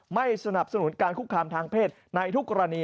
ไม่สนับสนุนการคุกคามทางเพศในทุกกรณี